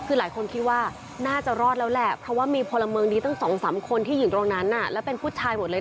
คือหลายคนคิดว่าน่าจะรอดแล้วแหละเพราะว่ามีพลเมืองดีตั้งสองสามคนที่อยู่ตรงนั้นแล้วเป็นผู้ชายหมดเลย